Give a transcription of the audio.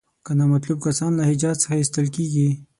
که نامطلوب کسان له حجاز څخه ایستل کیږي.